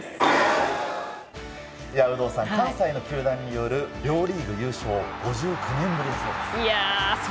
有働さん、関西の球団による両リーグ優勝５９年ぶりだそうです。